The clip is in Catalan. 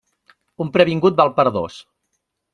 Un previngut val per dos.